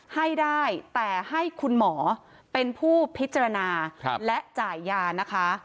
ให้ได้แต่ให้คุณหมอเป็นผู้พิจารณาและจ่ายยานะคะ